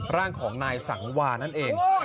ร่างของนายสังวานั่นเอง